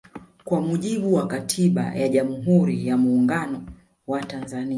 Kwa mujibu wa katiba ya jamhuri ya muungano wa Tanzania